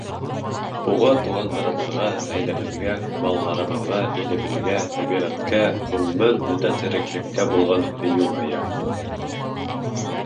Уға туғандарыбыҙға, ғаиләбеҙгә, балаларыбыҙға, илебеҙгә, тәбиғәткә, ғөмүмән, бөтөн тереклеккә булған һөйөү һыя.